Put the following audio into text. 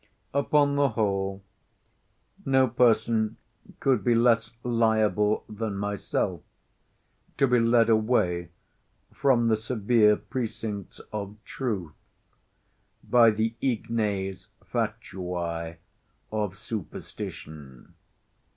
Upon the whole, no person could be less liable than myself to be led away from the severe precincts of truth by the ignes fatui of superstition.